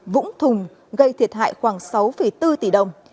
vũng thùng gây thiệt hại khoảng sáu bốn tỷ đồng